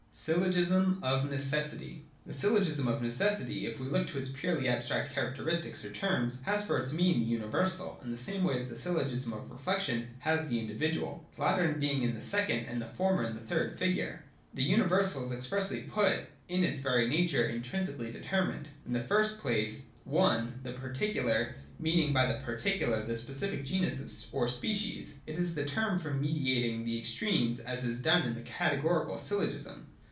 (7) Syllogism of Necessity. 191.] The Syllogism of Necessity, if we look to its purely abstract characteristics or terms, has for its mean the Universal in the same way as the Syllogism of Reflection has the Individual, the latter being in the second, and the former in the third figure (§ 187). The Universal is expressly put as in its very nature intrinsic ally determinate. In the first place (i) the Particular, meaning by the particular the specific genus or species, is the term for mediating the extremes — as is done in the Categorical syllogism.